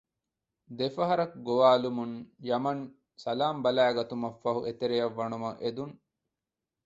ދެފަހަރަކު ގޮވާލުމުން ޔަމަން ސަލާމް ބަލައިގަތުމަށް ފަހު އެތެރެއަށް ވަނުމަށް އެދުން